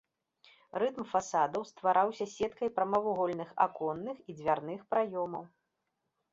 Рытм фасадаў ствараўся сеткай прамавугольных аконных і дзвярных праёмаў.